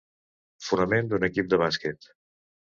Fonament d'un equip de bàsquet.